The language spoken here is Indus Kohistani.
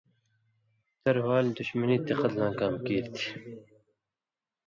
تروالی دُشمنی تے قتلاں کام کیریۡ تھی